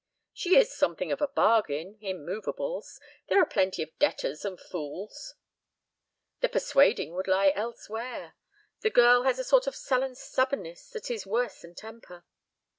"She is something of a bargain—in movables. There are plenty of debtors and fools." "The persuading would lie elsewhere. The girl has a sort of sullen stubbornness that is worse than temper."